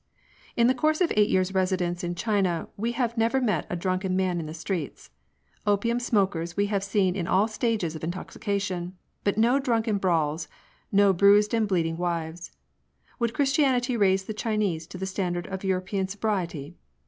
In the course of eight years' residence in China, we have never met a drunken man in the streets. Opium smokers we have seen in all stages of intoxication ; but no drunken brawls, no bruised and bleeding wives. Would Christianity raise the Chinese to the standard of European sobriety